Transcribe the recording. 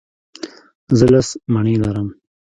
زه لس مڼې لرم.